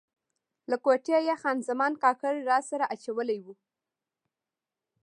له کوټې یې خان زمان کاکړ راسره اچولی و.